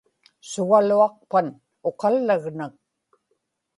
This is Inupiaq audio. sugaluaqpan uqallagnak